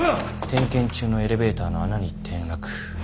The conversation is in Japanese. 点検中のエレベーターの穴に転落。